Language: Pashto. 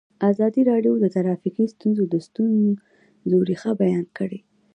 ازادي راډیو د ټرافیکي ستونزې د ستونزو رېښه بیان کړې.